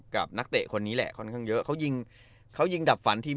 นักเตะคนนี้แหละค่อนข้างเยอะเขายิงเขายิงดับฝันทีม